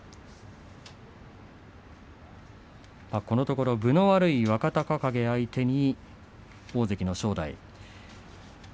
このところ分の悪い若隆景相手に、大関の正代。